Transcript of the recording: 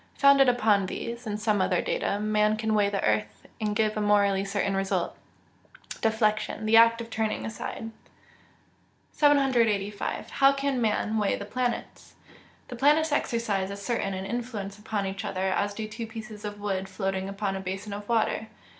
Founded upon these, and some other data, man can weigh the earth, and give a morally certain result! Deflection. The act of turning aside. 785. How can man weigh the planets? The planets exercise as certain an influence upon each other as do two pieces of wood floating upon a basin of water.